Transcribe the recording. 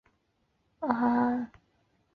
他有三本着作。